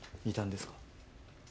いたんですか？